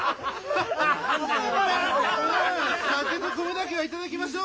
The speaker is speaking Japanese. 酒と米だけは頂きましょう。